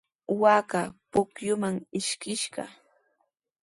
Waakaqa pukyuman ishkishqa.